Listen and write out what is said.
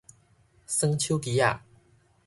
耍手機仔